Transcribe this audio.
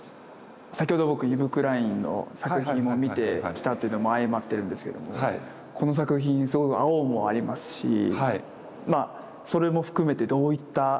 先ほど僕イヴ・クラインの作品も見てきたっていうのも相まってるんですけどもこの作品すごく青もありますしそれも含めてどういった？